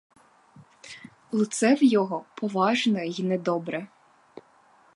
Лице в його поважне й недобре.